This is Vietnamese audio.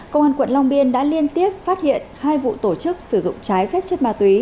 công an quận long biên đã liên tiếp phát hiện hai vụ tổ chức sử dụng trái phép chất ma túy